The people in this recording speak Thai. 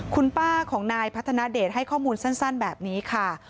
คุณป้าของนายพัฒนาเดชให้ข้อมูลสั้นแบบนี้ค่ะ